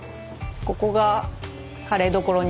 ここが。